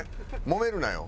もめるなよ。